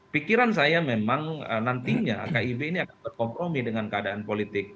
pikiran saya memang nantinya kib ini akan berkompromi dengan keadaan politik